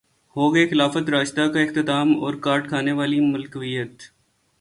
ہوگئے خلافت راشدہ کا اختتام اور کاٹ کھانے والی ملوکیت